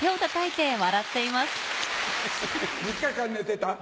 ３日間寝てた？